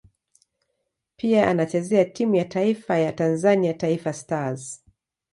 Pia anachezea timu ya taifa ya Tanzania Taifa Stars.